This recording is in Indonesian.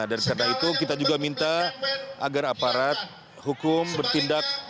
dan karena itu kita juga minta agar aparat hukum bertindak